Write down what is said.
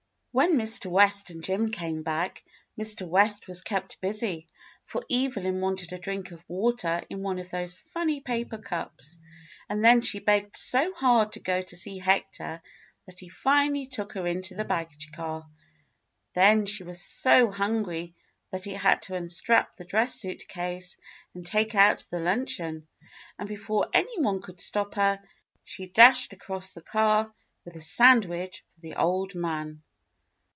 When Mr. West and Jim came back, Mr. West was kept busy, for Evelyn wanted a drink of water in one of those funny paper cups, and then she begged so hard to go to see Hector that he finally took her into the baggage car; then she was so hungry that he had to unstrap the dress suit case and take out the luncheon, and before any one could stop her she dashed across the car with a sandwich for the old man.